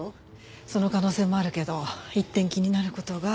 その可能性もあるけど一点気になる事が。